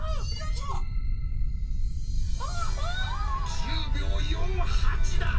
１０秒４８だ！